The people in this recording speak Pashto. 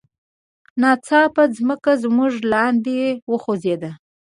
ناڅاپه ځمکه زموږ لاندې وخوزیده.